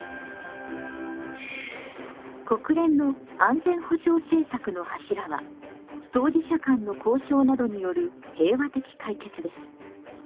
国連の安全保障政策の柱は当事者間の交渉などによる平和的解決です。